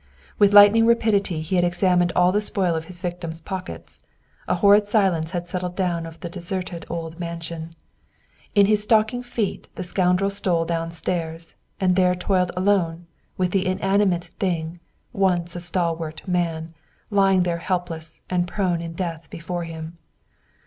With lightning rapidity he had examined all the spoil of his victim's pockets. A horrid silence had settled down over the deserted old mansion. In his stocking feet the scoundrel stole down stairs, and there toiled alone, with the inanimate thing, once a stalwart man, lying there helpless and prone in death before him.